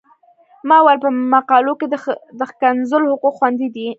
ما ویل په مقالو کې د ښکنځلو حقوق خوندي دي.